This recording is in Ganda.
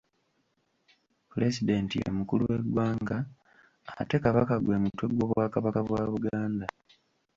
Pulesidenti ye mukulu w’eggwanga ate Kabaka gwe mutwe gw’Obwakabaka bwa Buganda.